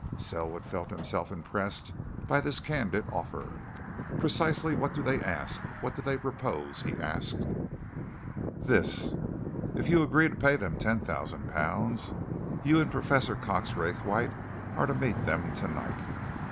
Selwood felt himself impressed by this candid offer. "Precisely what do they ask what do they propose?" he asked. "This. If you agree to pay them ten thousand pounds, you and Professor Cox Raythwaite are to meet them tonight.